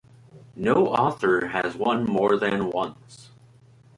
No author has won more than once.